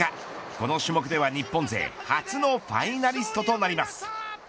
この種目では日本勢初のファイナリストとなりました。